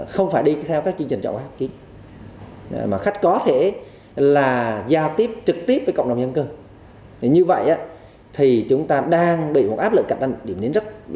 không phải đi theo các chương trình trọng hóa học kỹ